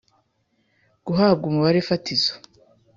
guhabwa umubare fatizo